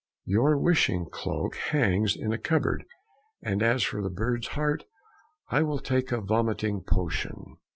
Your wishing cloak hangs in a cupboard, and as for the bird's heart I will take a vomiting potion."